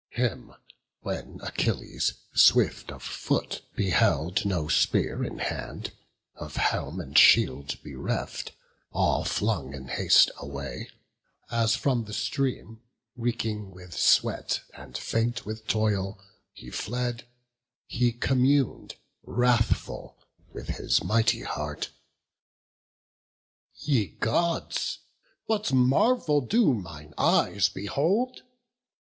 Him when Achilles, swift of foot, beheld, No spear in hand, of helm and shield bereft, All flung in haste away, as from the stream, Reeking with sweat, and faint with toil, he fled, He commun'd, wrathful, with his mighty heart: "Ye Gods, what marvel do mine eyes behold!